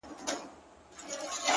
• خلاصول يې خپل ځانونه اولادونه,